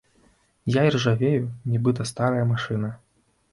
Я іржавею, нібыта старая машына.